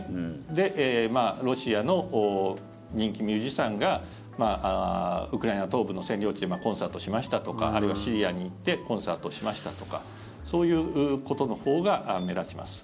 で、ロシアの人気ミュージシャンがウクライナ東部の占領地でコンサートしましたとかあるいはシリアに行ってコンサートをしましたとかそういうことのほうが目立ちます。